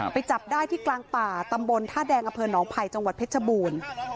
จับได้ที่กลางป่าตำบลท่าแดงอำเภอหนองไผ่จังหวัดเพชรบูรณ์